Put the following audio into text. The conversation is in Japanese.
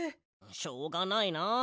しょうがないな。